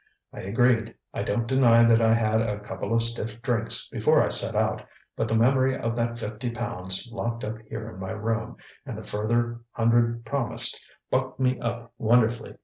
I agreed. I don't deny that I had a couple of stiff drinks before I set out, but the memory of that fifty pounds locked up here in my room and the further hundred promised, bucked me up wonderfully.